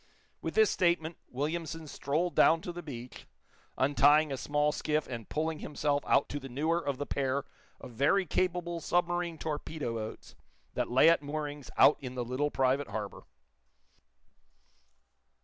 With this statement, Williamson strolled down to the beach, untying a small skiff and pulling himself out to the newer of the pair of very capable submarine torpedo boats that lay at moorings out in the little private harbor.